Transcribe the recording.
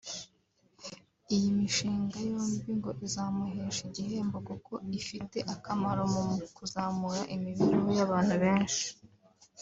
Iyi mishinga yombi ngo izamuhesha igihembo kuko ifite akamaro mu kuzamura imibereho y’abantu benshi